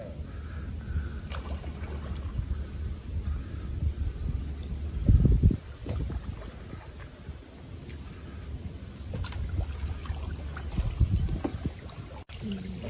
น้ำมันเป็นสิ่งที่สุดท้ายที่สุดท้ายที่สุดท้าย